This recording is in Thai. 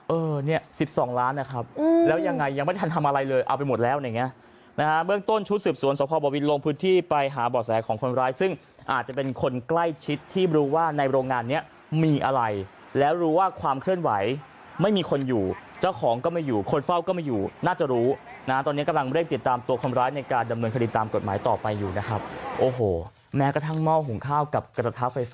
เออเนี่ย๑๒ล้านนะครับแล้วยังไงยังไม่ทันทำอะไรเลยเอาไปหมดแล้วเนี่ยนะฮะเบื้องต้นชุดสืบสวนสภาบวิทย์ลงพื้นที่ไปหาบ่อแสของคนร้ายซึ่งอาจจะเป็นคนใกล้ชิดที่รู้ว่าในโรงงานเนี่ยมีอะไรแล้วรู้ว่าความเคลื่อนไหวไม่มีคนอยู่เจ้าของก็ไม่อยู่คนเฝ้าก็ไม่อยู่น่าจะรู้นะตอนนี้กำลังเริ่มติดตามตัวคนร้ายในการ